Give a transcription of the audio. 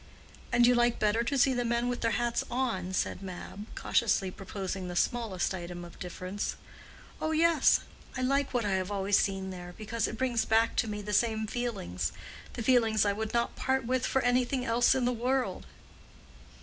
"And you like better to see the men with their hats on?" said Mab, cautiously proposing the smallest item of difference. "Oh, yes. I like what I have always seen there, because it brings back to me the same feelings—the feelings I would not part with for anything else in the world."